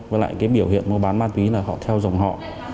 với lại cái biểu hiện mua bán ma túy là họ theo dòng họ